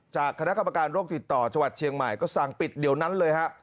จากคณะกรรมการโรคติดต่อจังหวัดเชียงใหม่ก็สั่งปิดเดี๋ยวนั้นเลยฮะ